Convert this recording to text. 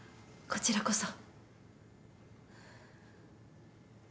こちらこそ。